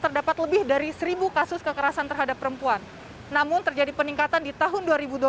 terdapat lebih dari seribu kasus kekerasan terhadap perempuan namun terjadi peningkatan di tahun dua ribu dua puluh